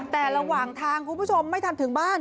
แต่ระหว่างทางคุณผู้ชมไม่ทันถึงบ้าน